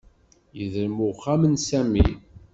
Yedrem uxxam n Sami.